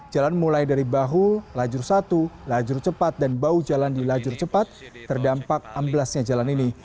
jalan mulai dari bahu lajur satu lajur cepat dan bau jalan di lajur cepat terdampak amblasnya jalan ini